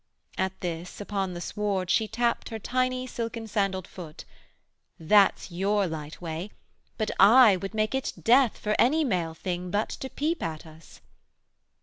At this upon the sward She tapt her tiny silken sandaled foot: 'That's your light way; but I would make it death For any male thing but to peep at us.'